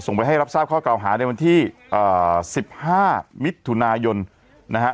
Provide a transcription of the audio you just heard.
ส่งไปให้รับทราบข้อเก่าหาในวันที่อ่าสิบห้ามิตรธุนายนนะฮะ